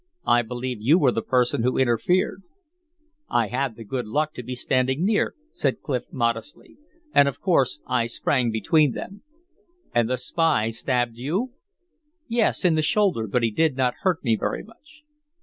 I believe you were the person who interfered." "I had the good luck to be standing near," said Clif, modestly. "And of course, I sprang between them." "And the spy stabbed you?" "Yes. In the shoulder, but he did not hurt me very much."